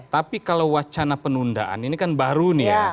tapi kalau wacana penundaan ini kan baru nih ya